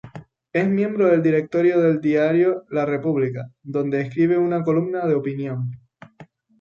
Es miembro del directorio del Diario La República, donde escribe una columna de opinión.